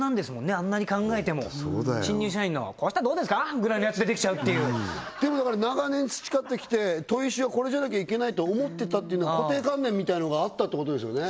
あんなに考えても新入社員の「こうしたらどうですか？」ぐらいのやつでできちゃうっていうでも長年培ってきて砥石はこれじゃなきゃいけないって思ってたっていう固定観念みたいのがあったってことですよね？